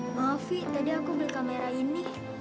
maafi tadi aku beli kamera ini